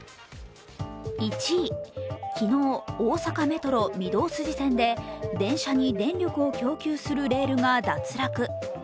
１位、昨日、ＯｓａｋａＭｅｔｒｏ・御堂筋線で電車に電力を供給するレールが脱落。